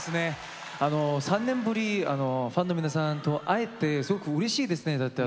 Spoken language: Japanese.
３年ぶりにファンの皆さんと会えてすごくうれしいですね。